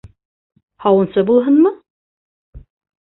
Һауынсы булһынмы?